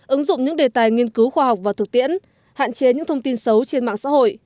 ứng dụng những đề tài nghiên cứu khoa học và thực tiễn hạn chế những thông tin xấu trên mạng xã hội